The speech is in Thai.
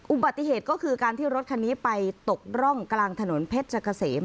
อุบัติเหตุก็คือการที่รถคันนี้ไปตกร่องกลางถนนเพชรเกษม